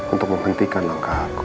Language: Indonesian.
untuk memhentikan langkah aku